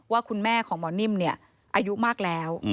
ว่าคุณแม่ของหมอนิ่มเนี่ยอายุมากแล้ว